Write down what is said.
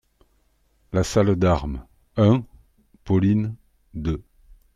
=La Salle d'armes.= un.= Pauline= deux.